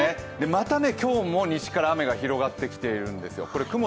またね今日も西から雨が広がってきているんですよ。